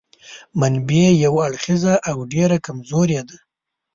منبع یو اړخیزه او ډېره کمزورې ده.